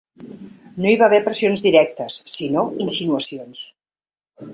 No hi va haver pressions directes sinó insinuacions.